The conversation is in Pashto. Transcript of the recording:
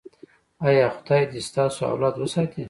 ایا خدای دې ستاسو اولاد وساتي؟